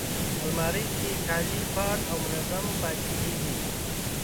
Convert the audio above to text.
الماري کې کالي پاک او منظم پاتې کېږي